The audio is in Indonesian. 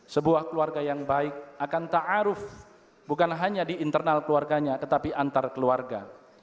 sebuah keluarga yang baik akan ta'aruf bukan hanya di internal keluarganya tetapi antar keluarga